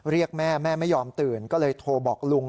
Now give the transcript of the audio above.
เรียกแม่แม่ไม่ยอมตื่นก็เลยโทรบอกลุง